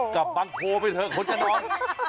กลับบังโพไปเถอะคนจะนอน